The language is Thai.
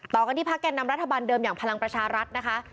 ต่อกันที่พักแก่นำรัฐบาลเดิมอย่างพลังประชารัฐนะคะ